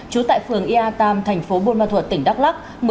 chú tại phường ia tam tp bồn ma thuật tỉnh đắk lắc